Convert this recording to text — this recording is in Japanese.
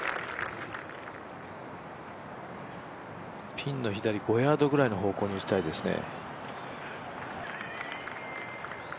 ピンの左５ヤードぐらいの位置に打ちたいですね。